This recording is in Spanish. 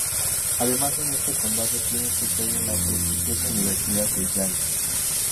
Además en este condado tiene su sede la prestigiosa Universidad de Yale.